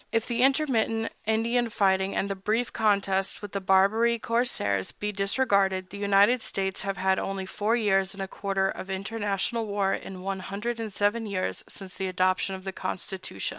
If the intermittent Indian fighting and the brief contest with the Barbary corsairs be disregarded, the United States have had only four years and a quarter of international war in the one hundred and seven years since the adoption of the Constitution.